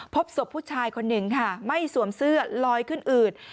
พบศพผู้ชายคนหนึ่งค่ะไม่สวมเสื้อลอยขึ้นอืด